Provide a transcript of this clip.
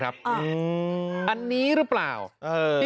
อันนี้หรือเปล่า